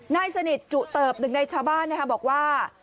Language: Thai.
นายสนิทจุเติบหนึ่งในชาวบ้านบอกว่า